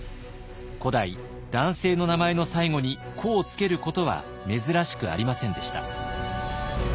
古代男性の名前の最後に「子」を付けることは珍しくありませんでした。